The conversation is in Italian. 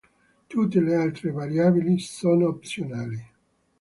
Tutte le altre variabili sono opzionali.